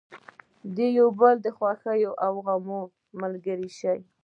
د یو بل د خوښیو او غمونو ملګري شئ.